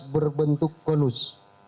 dua belas berbentuk konus